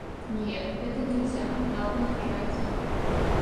Нет, это нельзя, надо начать.